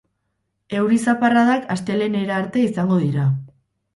Euri-zaparradak astelehenera arte izango dira.